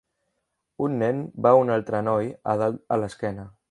Un nen va a un altre noi a dalt a l'esquena.